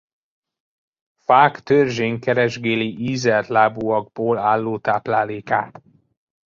Fák törzsén keresgéli ízeltlábúakból álló táplálékát.